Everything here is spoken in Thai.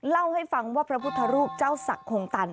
เล่าให้ฟังว่าพระพุทธรูปเจ้าศักดิ์คงตัน